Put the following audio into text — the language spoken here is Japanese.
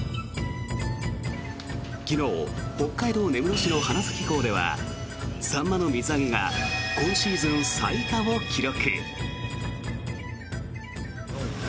昨日、北海道根室市の花咲港ではサンマの水揚げが今シーズン最多を記録。